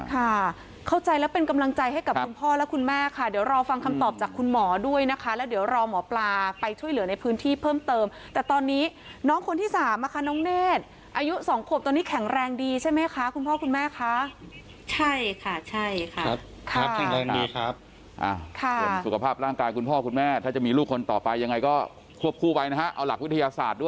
ค่ะเข้าใจแล้วเป็นกำลังใจให้กับคุณพ่อและคุณแม่ค่ะเดี๋ยวรอฟังคำตอบจากคุณหมอด้วยนะคะแล้วเดี๋ยวรอหมอปลาไปช่วยเหลือในพื้นที่เพิ่มเติมแต่ตอนนี้น้องคนที่สามอ่ะค่ะน้องเนธอายุสองขบตอนนี้แข็งแรงดีใช่ไหมคะคุณพ่อคุณแม่ค่ะใช่ค่ะใช่ค่ะครับครับแข็งแรงดีครับอ่าค่ะสุขภาพ